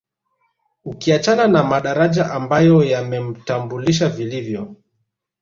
Ukiachana na madaraja ambayo yamemtambulisha vilivyo